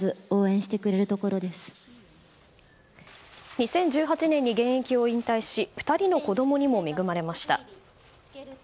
２０１８年に現役を引退し２人の子供にも恵まれました。